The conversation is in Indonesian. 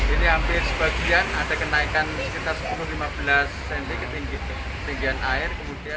ini hampir sebagian ada kenaikan sekitar sepuluh lima belas cm